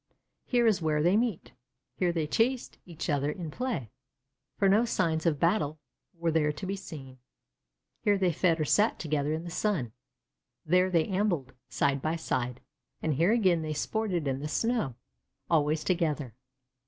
Here is where they met, here they chased each other in play, for no signs of battle were there to be seen; here they fed or sat together in the sun, there they ambled side by side, and here again they sported in the snow, always together.